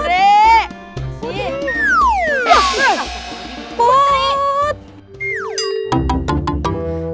ada apa salam ya ya ya ya ya yuk yuk yuk